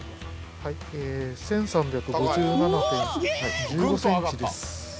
はい１３５７１５ｃｍです。